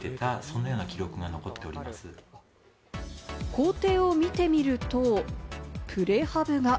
校庭を見てみるとプレハブが。